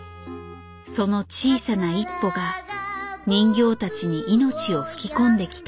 その小さな一歩が人形たちに「命」を吹き込んできた。